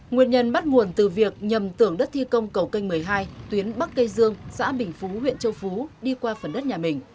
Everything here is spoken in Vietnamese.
nguyên nhân bắt nguồn từ việc nhầm tưởng đất thi công cầu canh một mươi hai tuyến bắc cây dương xã bình phú huyện châu phú đi qua phần đất nhà mình